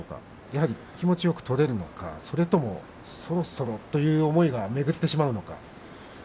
やはり気持ちよく取れるのかそれとも、そろそろという思いが巡ってしまうのか。